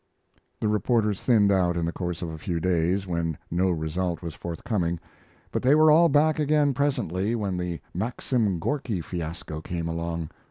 The reporters thinned out in the course of a few days when no result was forthcoming; but they were all back again presently when the Maxim Gorky fiasco came along.